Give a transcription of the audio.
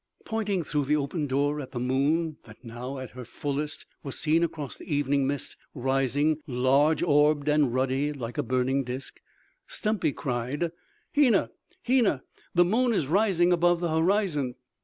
Pointing through the open door at the moon that, now at her fullest, was seen across the evening mist rising large orbed and ruddy like a burning disk, Stumpy cried: "Hena!... Hena! The moon is rising above the horizon...."